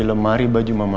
aku mau balik ke rumah bambu